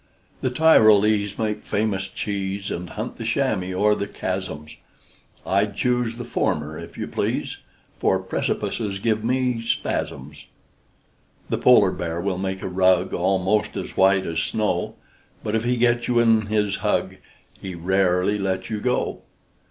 The Tyrolese make famous cheese And hunt the chamois o'er the chaz zums: I'd choose the former if you please, For precipices give me spaz zums. The polar bear will make a rug Almost as white as snow; But if he gets you in his hug, He rarely lets you go.